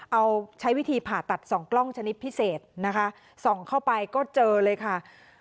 เอาใช้วิธีผ่าตัดสองกล้องชนิดพิเศษนะคะส่องเข้าไปก็เจอเลยค่ะ